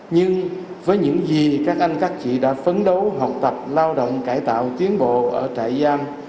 nhưng với những gì các anh các chị đã phấn đấu học tập lao động cải tạo tiến bộ ở trại giam